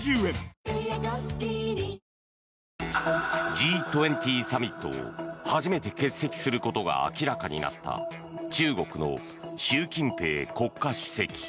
Ｇ２０サミットを初めて欠席することが明らかになった中国の習近平国家主席。